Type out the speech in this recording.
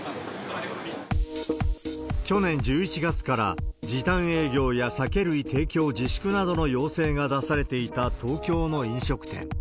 去年１１月から時短営業や酒類提供自粛などの要請が出されていた東京の飲食店。